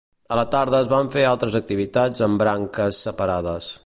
A la tarda es van fer altres activitats amb branques separades.